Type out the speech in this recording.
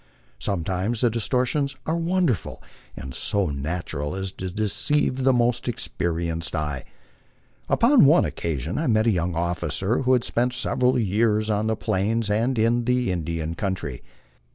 Sometimes the distor tions are wonderful, and so natural as to deceive the most experienced eye. Upon one occasion I met a young officer who had spent several years on the Plains and in the Indian country.